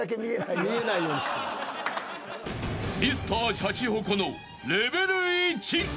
［Ｍｒ．シャチホコのレベル１］